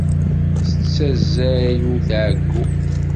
Tettazzal ur tɛeyyu.